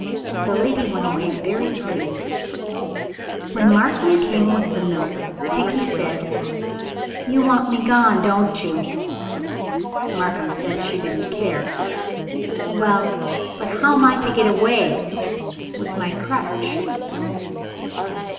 The lady went away very pleased. When Markham came with the milk Dickie said, "You want me gone, don't you?" Markham said she didn't care. "Well, but how am I to get away with my crutch?"